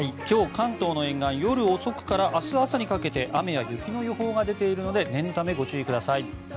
今日、関東の沿岸夜遅くから明日朝にかけて雨や雪の予報が出ているので念のためご注意ください。